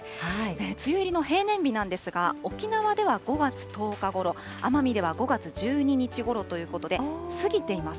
梅雨入りの平年日なんですが、沖縄では５月１０日ごろ、奄美では５月１２日ごろということで、過ぎています。